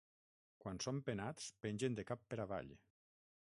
Quan són penats pengen de cap per avall.